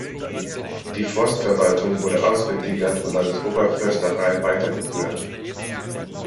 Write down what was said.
Die Forstverwaltung wurde ausgegliedert und als Oberförsterei weitergeführt.